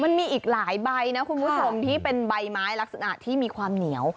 มันมีอีกหลายใบนะคุณผู้ชมที่เป็นใบไม้ลักษณะที่มีความเหนียว